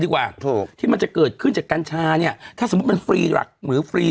ดีกว่าถูกที่มันจะเกิดขึ้นจากกัญชาเนี่ยถ้าสมมุติมันฟรีหลักหรือฟรี